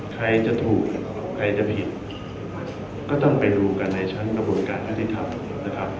ใครจะถูกใครจะผิดก็ต้องไปดูกันในชั้นกระบวนการยุติธรรมนะครับ